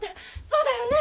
そうだよね。